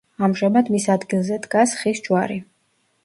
ამჟამად მის ადგილზე დგას ხის ჯვარი.